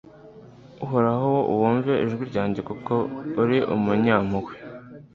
Uhoraho wumve ijwi ryanjye kuko uri umunyampuhwe